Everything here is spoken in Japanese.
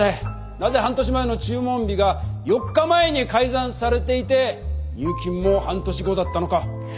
なぜ半年前の注文日が４日前に改ざんされていて入金も半年後だったのか。